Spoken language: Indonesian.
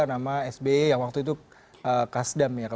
penyebutan sama sbe yang waktu itu khas dam ya kalau saya paham